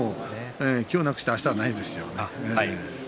今日なくしてあしたはないですからね。